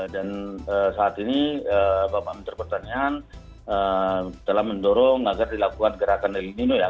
saat ini bapak menteri pertanian telah mendorong agar dilakukan gerakan el nino ya